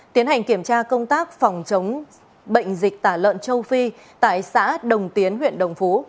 tiến hành kiểm tra công tác phòng chống bệnh dịch tả lợn châu phi tại xã đồng tiến huyện đồng phú